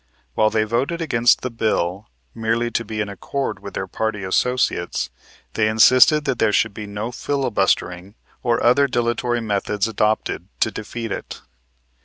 While they voted against the bill, merely to be in accord with their party associates, they insisted that there should be no filibustering or other dilatory methods adopted to defeat it.